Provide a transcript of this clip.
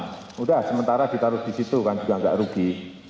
sudah sementara ditaruh di situ kan juga nggak rugi